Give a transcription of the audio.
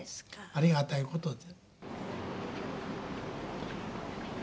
ありがたい事で。